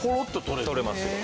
取れますよ。